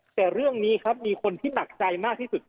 แต่เรื่องนี้ครับมีคนที่หนักใจมากที่สุด